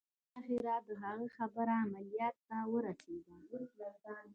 بالاخره د هغه خبره عمليات ته ورسېده.